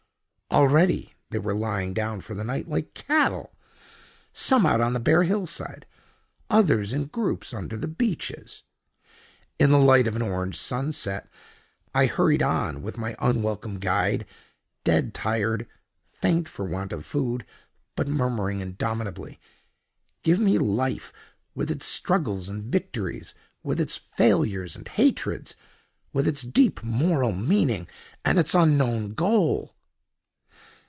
Already they were lying down for the night like cattle—some out on the bare hillside, others in groups under the beeches. In the light of an orange sunset I hurried on with my unwelcome guide, dead tired, faint for want of food, but murmuring indomitably: "Give me life, with its struggles and victories, with its failures and hatreds, with its deep moral meaning and its unknown goal!"